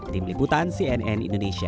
tim liputan cnn indonesia